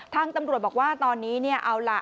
ทางตำรวจบอกว่าตอนนี้เนี่ยเอาล่ะ